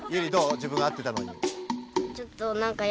自分が合ってたのに。